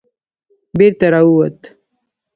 بېرته را ووت.